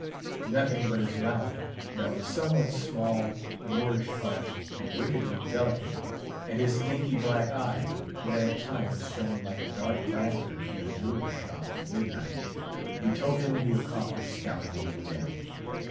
Nothing but his mouth, that was somewhat small, Moorish arched, and wickedly delicate, and his snaky, black eye, that at times shone like a dark lantern in a jeweller shop at midnight, betokened the accomplished scoundrel within.